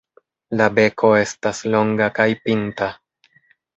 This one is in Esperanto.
La beko estas longa kaj pinta.